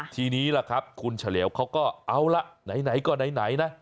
ทีนี้ล่ะครับคุณเฉลวเขาก็เอาละไหนก็ไหนนะ